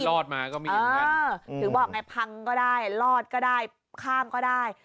รอดมาก็มีเหมือนกันถึงบอกไงพังก็ได้รอดก็ได้ข้ามก็ได้